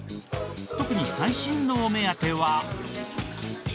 特に最新のお目当ては。